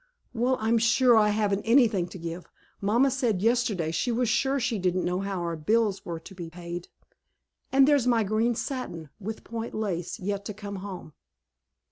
Well, I'm sure I haven't anything to give. Mamma said yesterday she was sure she didn't know how our bills were to be paid, and there's my green satin with point lace yet to come home."